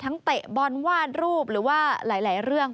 เตะบอลวาดรูปหรือว่าหลายเรื่อง